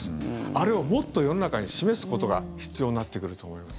あれをもっと世の中に示すことが必要になってくると思います。